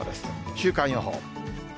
週間予報。